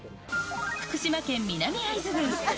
福島県南会津郡。